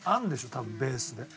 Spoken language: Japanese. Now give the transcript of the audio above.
多分ベースで。